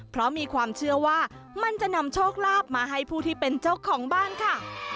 เพราะมีความเชื่อว่ามันจะนำโชคลาภมาให้ผู้ที่เป็นเจ้าของบ้านค่ะ